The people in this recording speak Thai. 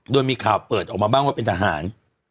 โดยมีข่าวเปิดออกมาบ้างว่าเป็นทหาร